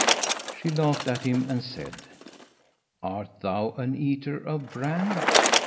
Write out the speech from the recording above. She laughed at him and said, "Art thou an eater of bran?